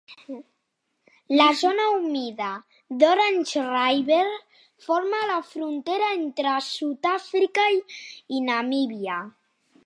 La zona humida d'Orange River forma la frontera entre South Africa i Namibia.